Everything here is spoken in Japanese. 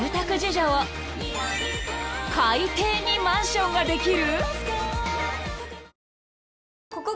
［海底にマンションができる？］